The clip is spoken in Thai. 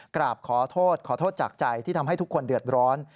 กราบขอโทษขอโทษจากใจที่ทำให้ทุกคนเดือดร้อน